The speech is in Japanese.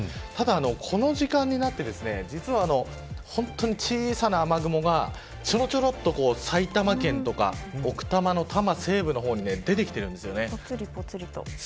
ただ、この時間になって小さな雨雲がちょろちょろと埼玉県とか奥多摩の多摩西部の方にぽつりぽつりと。